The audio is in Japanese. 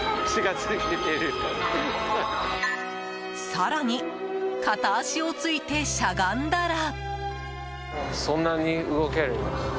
更に、片足をついてしゃがんだら。